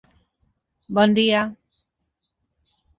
Bon dia